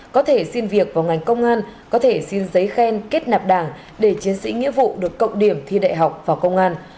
có thể xin việc vào ngành công an có thể xin giấy khen kết nạp đảng để chiến sĩ nghĩa vụ được cộng điểm thi đại học vào công an